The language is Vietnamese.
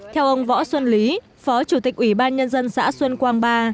theo ông võ xuân lý phó chủ tịch ủy ban nhân dân xã xuân quang ba